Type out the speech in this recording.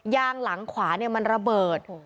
ยางหลังขวาเนี่ยมันระเบิดโอ้โฮ